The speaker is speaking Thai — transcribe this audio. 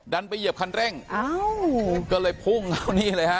ไปเหยียบคันเร่งอ้าวก็เลยพุ่งเข้านี่เลยฮะ